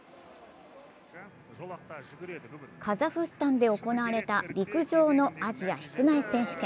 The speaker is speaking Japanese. カザフスタンで行われた陸上のアジア室内選手権。